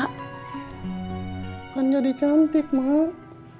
kan jadi cantik mbak